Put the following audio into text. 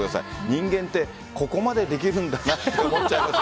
人間ってここまでできるんだなって思っちゃいます。